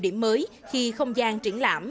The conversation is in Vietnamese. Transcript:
điểm mới khi không gian triển lãm